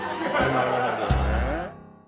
なるほどね。